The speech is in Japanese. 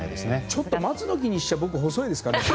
ちょっと松の木にしちゃ僕、細いですか？